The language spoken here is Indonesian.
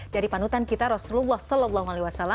dari panutan kita rasulullah saw